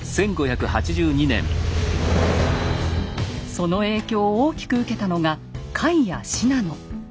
その影響を大きく受けたのが甲斐や信濃。